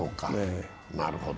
なるほど。